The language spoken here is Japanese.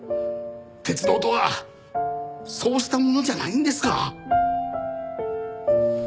鉄道とはそうしたものじゃないんですか？